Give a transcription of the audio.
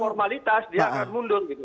pada formalitas dia akan mundur